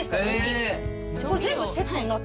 全部セットになって。